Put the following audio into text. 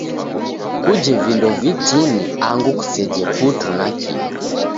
Kuje vindo vitini angu kuseje putu nakio.